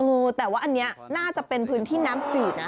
เออแต่ว่าอันนี้น่าจะเป็นพื้นที่น้ำจืดนะ